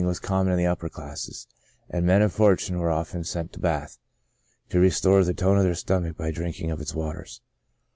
was common in the upper classes, and men of fortune were often sent to Bath, to restore the tone of their stomach by drinking of its waters."